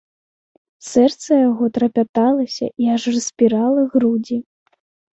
Сэрца яго трапяталася і аж распірала грудзі.